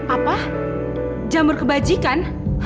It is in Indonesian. apa jamur kebajikan